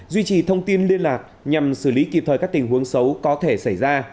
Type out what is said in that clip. duy trì thông tin liên lạc nhằm xử lý kịp thời các tình huống xấu có thể xảy ra